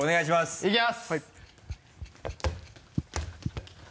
いけます。